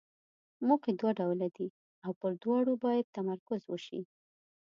موخې دوه ډوله دي او پر دواړو باید تمرکز وشي.